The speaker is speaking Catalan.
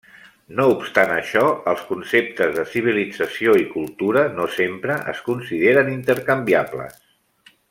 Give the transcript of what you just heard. No obstant això, els conceptes de civilització i cultura no sempre es consideren intercanviables.